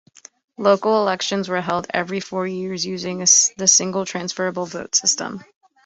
Local elections were held every four years using the single transferable vote system.